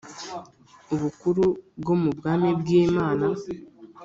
Ubukuru bwo mu bwami bw’Imana